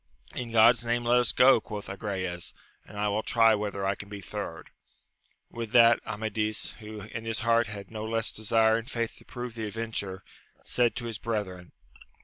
In God's name let us go, quoth Agrayes, and I will try whether I can be third. With that, Amadis, who in his heart had no less desire and faith to prove the adventure, said to his brethren.